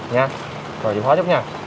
nha rồi chịu khóa chút nha